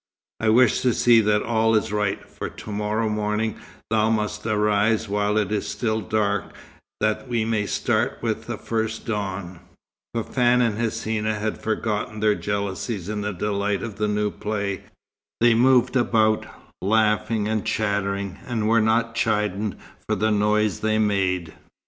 I wish to see that all is right, for to morrow morning thou must arise while it is still dark, that we may start with the first dawn." Fafann and Hsina had forgotten their jealousies in the delight of the new play. They moved about, laughing and chattering, and were not chidden for the noise they made.